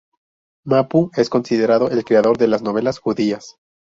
Mapu es considerado el creador de las novelas judías.